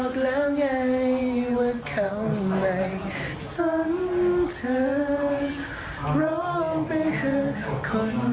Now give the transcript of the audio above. เพราะเข้าแม่เม้ย